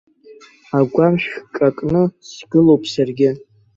Агәам шәҿакны сгылоуп саргьы.